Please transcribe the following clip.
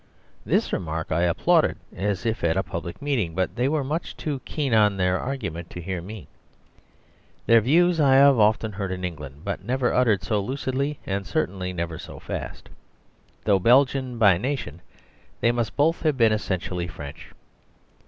This remark I applauded, as if at a public meeting, but they were much too keen on their argument to hear me. The views I have often heard in England, but never uttered so lucidly, and certainly never so fast. Though Belgian by nation they must both have been essentially French.